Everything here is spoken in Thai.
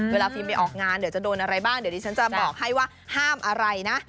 ฟิล์ไปออกงานเดี๋ยวจะโดนอะไรบ้างเดี๋ยวดิฉันจะบอกให้ว่าห้ามอะไรนะ